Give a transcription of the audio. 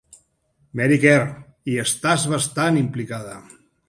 Mary Kerr, hi estàs bastant implicada.